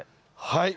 はい。